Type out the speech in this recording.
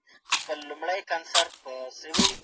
د پنجاب خلک میلمه پاله دي.